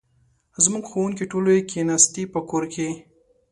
زموږ ښوونکې ټولې کښېناستي په کور کې